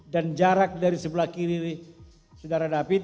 dan jarak dari sebelah kiri saudara david